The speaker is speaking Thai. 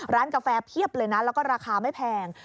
กาแฟเพียบเลยนะแล้วก็ราคาไม่แพง